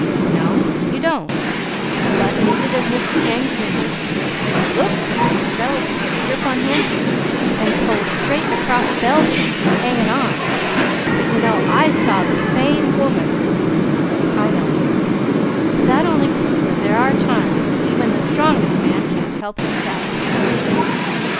"No, you don't! But neither does Mr. James Minturn. He looks as if a fellow could get a grip on him and pull safe across Belgium hanging on. But you know I said the same woman " "I know Mickey; but that only proves that there are times when even the strongest man can't help himself."